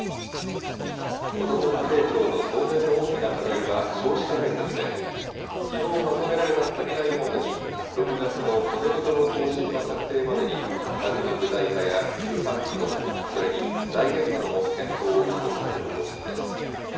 こども家庭庁の当面の大きな課題は少子化対策で、きのうまとめられたたたき台をもとに、６月の骨太の方針の策定までに、施策の具体化や予算規模、それに財源などの検討を加速させる方針です。